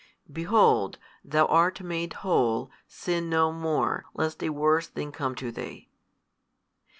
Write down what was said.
|241 Behold, thou art made whole: sin no more, lest a worse thing come to thee.